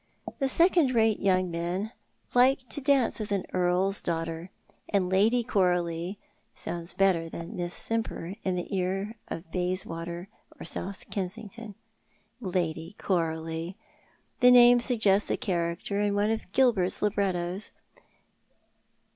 The second rato yoimg men like to dance with an earl's daughter, and Lady Coralie sounds better than Miss Simper in the ear of Bayswater or South Kensington. Lady Coralie! The name suggests a character in one of Gilbert's librettos.